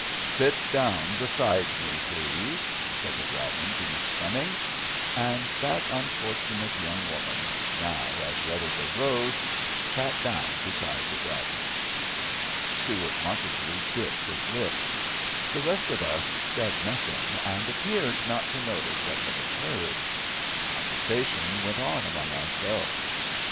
"Sit down beside me, please?" said the "dragon" to Miss Fleming; and that unfortunate young woman, now as red as a rose, sat down beside the "dragon." Stewart Montague bit his lip. The rest of us said nothing, and appeared not to notice what had occurred. Conversation went on among ourselves.